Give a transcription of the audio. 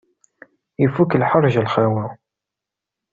Ifuk lḥerǧ a lxawa.